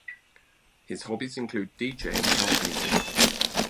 His hobbies include deejaying house music.